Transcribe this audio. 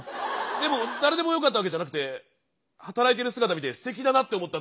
でも誰でもよかったわけじゃなくて働いてる姿見てすてきだなって思ったんだよ。